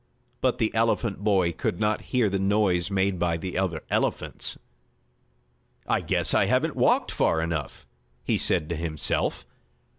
But the elephant boy could not hear the noise made by the other elephants. "I guess I haven't walked far enough," he said to himself.